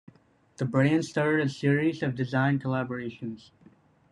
The brand started a series of design collaborations.